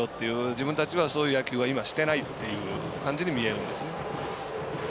自分たちは、そういう野球は今してないっていう感じに見えるんですね。